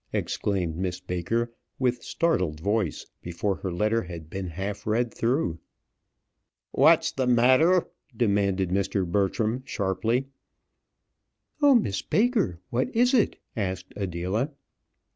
exclaimed Miss Baker, with startled voice before her letter had been half read through. "What's the matter?" demanded Mr. Bertram sharply. "Oh, Miss Baker! what is it?" asked Adela.